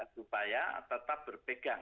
supaya tetap berpegang